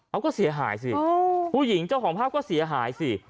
เอาก็เสียหายสิผู้หญิงเจ้าของภาพก็เสียหายสิ